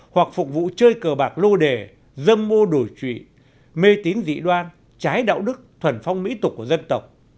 hoặc phục vụ chơi cờ bạc lô đề dâm mô đổi trụy mê tín dị đoan trái đạo đức thuần phong mỹ tục của dân tộc